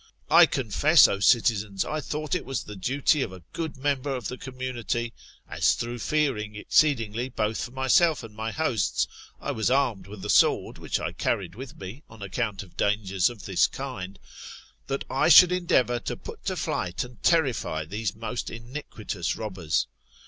I confess, O citi^ns, I thought it was the duty of a good member of the community, (as though feariim^ exceed ingly both for myself and for my hosts, I was armec^ with a sword which I carried with me on account of dangers of this kind), that I should endeavour to put to flight and terrify these most iniquitous robbers.